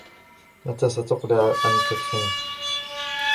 متى ستقلع عن التدخين ؟